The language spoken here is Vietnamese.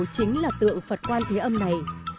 chính là tượng phật quan thế âm này